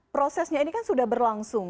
prosesnya ini kan sudah berlangsung